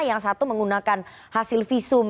yang satu menggunakan hasil visum